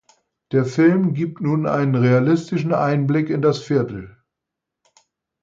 Der Film gibt nun einen realistischen Einblick in das Viertel.